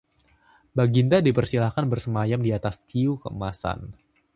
Baginda dipersilakan bersemayam di atas ciu keemasan